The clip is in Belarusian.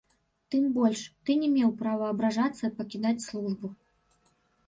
Тым больш, ты не меў права абражацца і пакідаць службу.